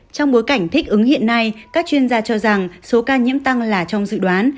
trong bối cảnh thích ứng hiện nay các chuyên gia cho rằng số ca nhiễm tăng là trong dự đoán